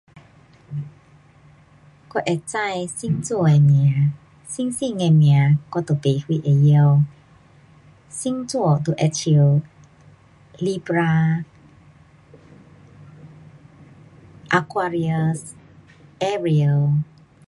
我会知星座的名，星星的名我就没什会晓。星座就好像 Libra, Aquarius, Ariel.